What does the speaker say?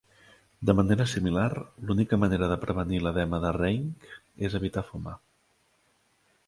De manera similar, l'única manera de prevenir l'edema de Reinke és evitar fumar.